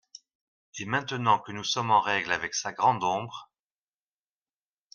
Et maintenant que nous sommes en règle avec sa grande ombre …